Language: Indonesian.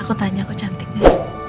aku tanya kok cantik gak